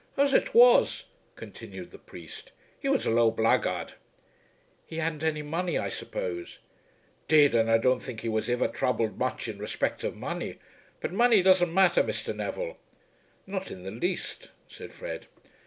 "As it was," continued the priest, "he was a low blag guard." "He hadn't any money, I suppose?" "'Deed and I don't think he was iver throubled much in respect of money. But money doesn't matter, Mr. Neville." "Not in the least," said Fred.